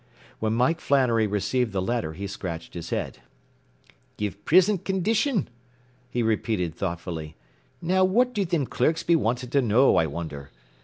When Mike Flannery received the letter he scratched his head. “Give prisint condition,” he repeated thoughtfully. “Now what do thim clerks be wantin' to know, I wonder!